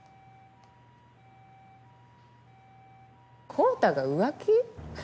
昂太が浮気？